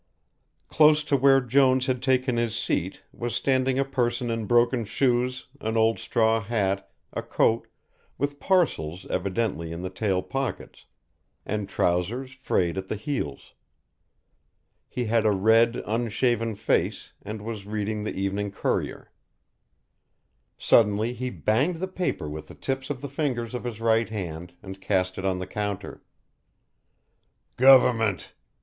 Close to where Jones had taken his seat was standing a person in broken shoes, an old straw hat, a coat, with parcels evidently in the tail pockets, and trousers frayed at the heels. He had a red unshaven face, and was reading the Evening Courier. Suddenly he banged the paper with the tips of the fingers of his right hand and cast it on the counter. "Govinment!